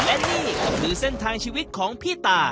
และนี่ก็คือเส้นทางชีวิตของพี่ตา